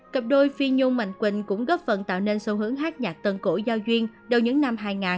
cặp đôi phi nhung mạnh quỳnh cũng góp phần tạo nên xu hướng hát nhạc tân cổ giao duyên đầu những năm hai nghìn hai mươi